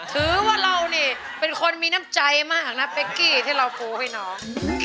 ถือว่าเรานี่เป็นคนมีน้ำใจมากนะเป๊กกี้ที่เราปูให้น้อง